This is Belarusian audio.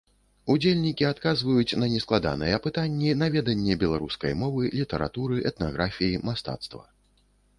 Удзельнікі адказваюць на нескладаныя пытанні на веданне беларускай мовы, літаратуры, этнаграфіі, мастацтва.